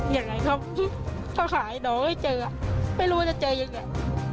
อย่างไรเค้าขายนอกไงเจออ่ะไม่รู้ว่าจะเจอยังไง